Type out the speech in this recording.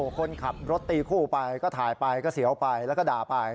คนขับรถตีคู่ไปก็ถ่ายไปก็เสียวไปแล้วก็ด่าไป